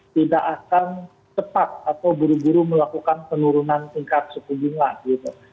tidak akan tepat atau buru buru melakukan penurunan tingkat sepuluh juta